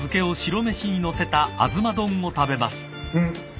うん。